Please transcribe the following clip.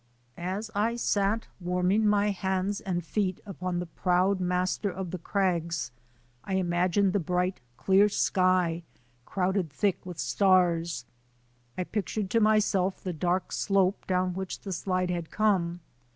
As I sat warming my hands and feet on the proud master of the crags I imagined the bright, clear sky crowded thick with stars. I pictured to my self the dark slope down which the slide had come.